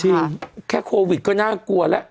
จริงแค่โควิดก็น่ากลัวละ